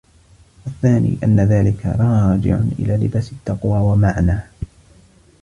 وَالثَّانِي أَنَّ ذَلِكَ رَاجِعٌ إلَى لِبَاسِ التَّقْوَى وَمَعْنَى